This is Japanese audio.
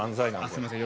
すいません